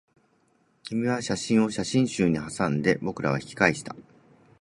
君は写真を写真集にはさんで、僕らは引き返した